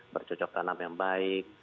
bercocok tanam yang baik